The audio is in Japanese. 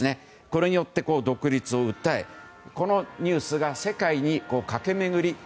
これによって独立を訴えこのニュースが世界に駆け巡り